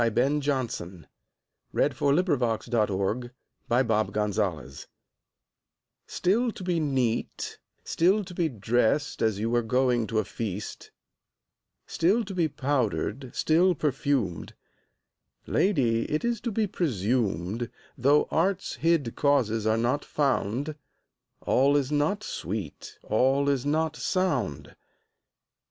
Ben Jonson. 1573–1637 186. Simplex Munditiis STILL to be neat, still to be drest, As you were going to a feast; Still to be powder'd, still perfumed: Lady, it is to be presumed, Though art's hid causes are not found, 5 All is not sweet, all is not sound.